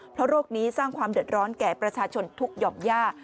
เพราะโรคนี้สร้างความเดือดร้อนแก่ประชาชนทุกหย่อมย่า